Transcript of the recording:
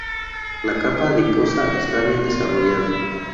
La capa adiposa está bien desarrollada.